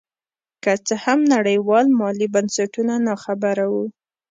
که څه هم نړیوال مالي بنسټونه نا خبره وو.